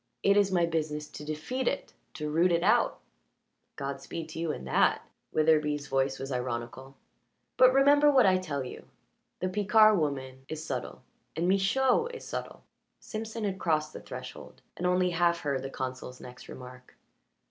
"It is my business to defeat it to root it out." "Godspeed to you in that" Witherbee's voice was ironical. "But remember what I tell you. The Picard woman is subtle, and Michaud is subtle." Simpson had crossed the threshold, and only half heard the consul's next remark.